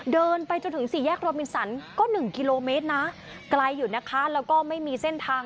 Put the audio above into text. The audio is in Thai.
เดินไปจนถึงสี่แยกโรมินสันก็๑กิโลเมตรนะไกลอยู่นะคะแล้วก็ไม่มีเส้นทาง